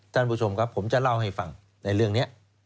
ท่านผู้ชมครับผมจะเล่าให้ฟังในเรื่องนี้